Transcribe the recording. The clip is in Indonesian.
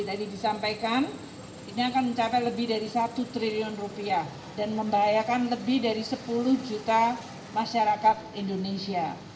tadi disampaikan ini akan mencapai lebih dari satu triliun rupiah dan membahayakan lebih dari sepuluh juta masyarakat indonesia